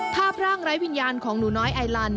ภาพร่างไร้วิญญาณของหนูน้อยไอลัน